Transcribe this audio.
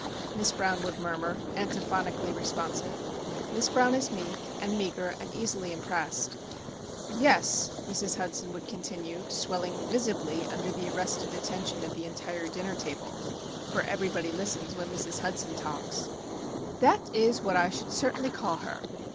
Miss Brown would murmur, antiphonically responsive. Miss Brown is meek, and meagre, and easily impressed. "Yes," Mrs. Hudson would continue, swelling visibly under the arrested attention of the entire dinner table (for everybody listens when Mrs. Hudson talks):—"That is what I should certainly call her.